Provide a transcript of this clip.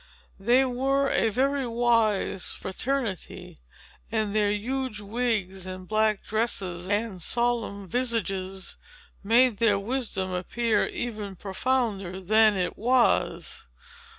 They were a very wise fraternity; and their huge wigs, and black dresses, and solemn visages, made their wisdom appear even profounder than it was.